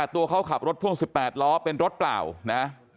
ตัวเขาขับรถพ่วง๑๘ล้อเป็นรถเปล่านะ